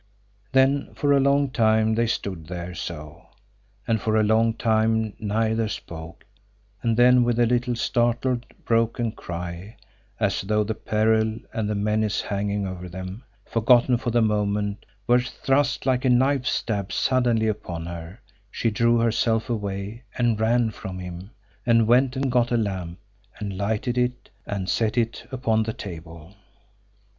Then for a long time they stood there so, and for a long time neither spoke and then with a little startled, broken cry, as though the peril and the menace hanging over them, forgotten for the moment, were thrust like a knife stab suddenly upon her, she drew herself away, and ran from him, and went and got a lamp, and lighted it, and set it upon the table.